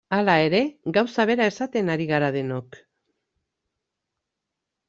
Hala ere, gauza bera esaten ari gara denok.